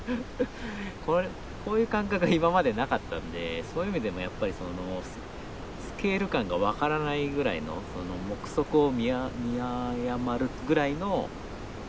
こういう感覚は今までなかったんでそういう意味でもやっぱりスケール感が分からないぐらいの目測を見誤るぐらいのでかさというか。